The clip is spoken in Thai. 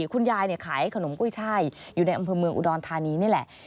คุณยายขายขนมกุ้ยช่ายอยู่ในอำเภอเมืองอุดรธานีนี่แหละ